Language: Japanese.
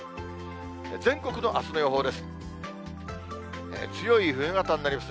全国のあすの予報です。